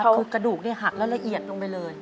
คือกระดูกหักแล้วละเอียดลงไปเลย